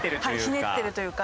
ひねってるというか。